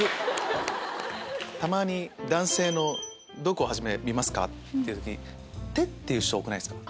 男性のどこを初め見ますか？っていう時に手って言う人多くないですか？